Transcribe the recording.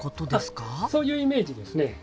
そういうイメージですね。